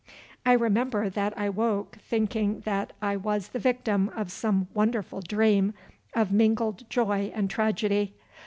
I remember that I woke thinking that I was the victim of some wonderful dream of mingled joy and tragedy.